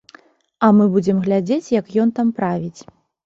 А мы будзем глядзець, як ён там правіць.